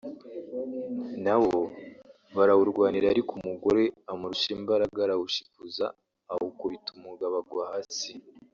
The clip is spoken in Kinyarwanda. na wo barawurwanira ariko umugore amurusha imbaraga arawumushikuza awukubita umugabo agwa hasi